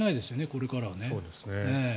これからはね。